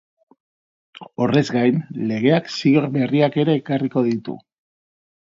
Horrez gain, legeak zigor berriak ere ekarriko ditu.